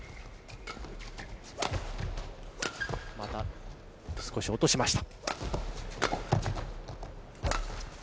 また少し落としました。